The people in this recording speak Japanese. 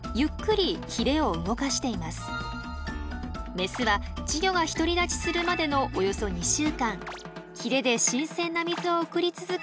メスは稚魚が独り立ちするまでのおよそ２週間ヒレで新鮮な水を送り続け